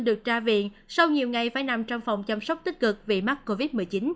được ra viện sau nhiều ngày phải nằm trong phòng chăm sóc tích cực vì mắc covid một mươi chín